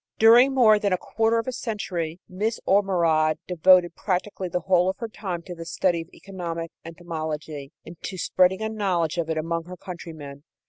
During more than a quarter of a century Miss Ormerod devoted practically the whole of her time to the study of economic entomology and to spreading a knowledge of it among her countrymen.